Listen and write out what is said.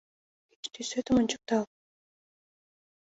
Кеч тӱсетым ончыктал.